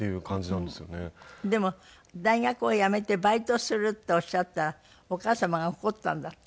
でも大学をやめてバイトをするっておっしゃったらお母様が怒ったんだって？